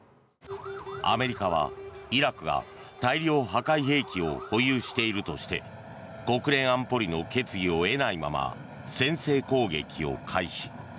アメリカはイラクが大量破壊兵器を保有しているとして国連安保理の決議を得ないまま先制攻撃を開始。